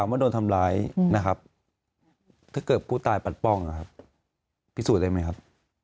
ว่าโดนทำร้ายนะครับถ้าเกิดผู้ตายปัดป้องนะครับพิสูจน์ได้ไหมครับ